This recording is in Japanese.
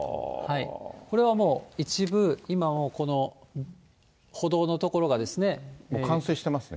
これはもう一部、もう冠水してますね。